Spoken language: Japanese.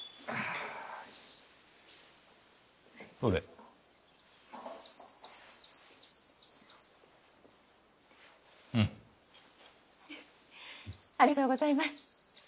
ありがとうございます。